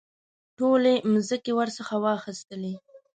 ټولې مځکې ورڅخه واخیستلې.